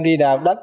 đi đào đất